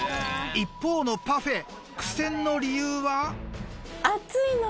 一方のパフェ苦戦の理由は？